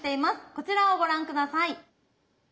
こちらをご覧下さい。